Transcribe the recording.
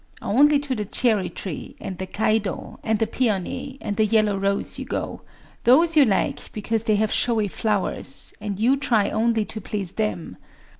Only to the cherry tree, and the kaido, and the peony, and the yellow rose you go: those you like because they have showy flowers, and you try only to please them.